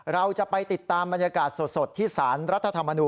เราจะไปติดตามบรรยากาศสดที่สารรัฐธรรมนูล